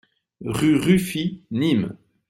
Rue Ruffi, Nîmes